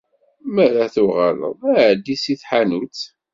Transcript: Mi ara tuɣaleḍ, ɛeddi si tḥanut.